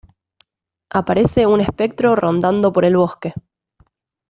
Aparece un espectro rondando por el bosque.